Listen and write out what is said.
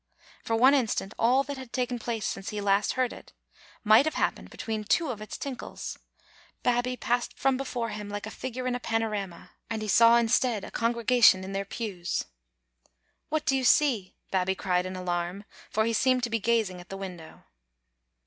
For one instant all that had taken place since he last heard it might have happened between two of its tinkles; Babbie passed from before him like a figure in a panorama, and he saw, instead, a congregation in their pews. " What do you see?" Babbie cried in alarm, for he seemed to be gazing at the window.